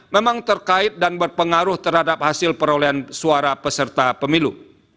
memang terkait dan berpengaruh terhadap hasil perolehan suara peserta pemilu